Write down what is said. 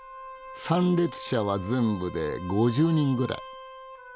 参列者は全部で５０人ぐらい。